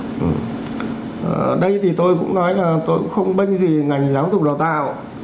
ở đây thì tôi cũng nói là tôi không bênh gì ngành giáo dục đầu tạo